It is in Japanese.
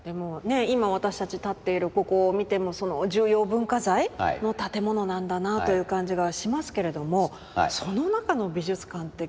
今私たち立っているここを見てもその重要文化財？の建物なんだなという感じがしますけれどもその中の美術館って。